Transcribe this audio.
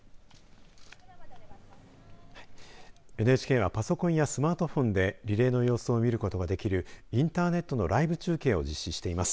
ＮＨＫはパソコンやスマートフォンでリレーの様子を見ることができるインターネットのライブ中継を実施しています。